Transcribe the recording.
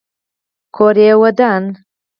کور یې ودان.